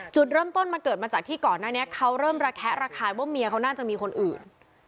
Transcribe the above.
จุดเริ่มต้นมันเกิดมาจากที่ก่อนหน้านี้เขาเริ่มระแคะระคายว่าเมียเขาน่าจะมีคนอื่น